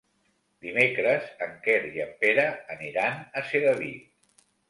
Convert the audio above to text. Dimecres en Quer i en Pere aniran a Sedaví.